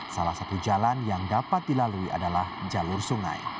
salah satu jalan yang dapat dilalui adalah jalur sungai